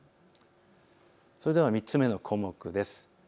それでは３つ目の項目です。